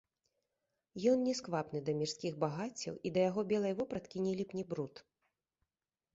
Ён не сквапны да мірскіх багаццяў і да яго белай вопраткі не ліпне бруд.